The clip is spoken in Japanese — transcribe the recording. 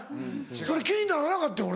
それ気にならなかってん俺。